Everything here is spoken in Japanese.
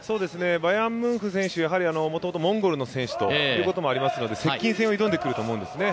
バヤンムンフ選手、もともとモンゴルの選手ということもありますので、接近戦を挑んでくると思うんですね。